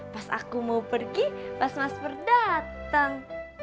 pas aku mau pergi pas mas pur dateng